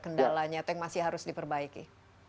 kendalanya atau yang masih harus diperbaiki